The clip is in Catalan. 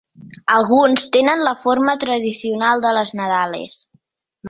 Alguns tenen la forma tradicional de les nadales.